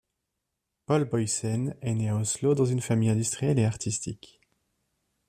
Paul Boyesen est né à Oslo dans une famille industrielle et artistique.